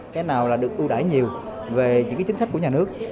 cái nào là được ưu đải nhiều về những cái chính sách của nhà nước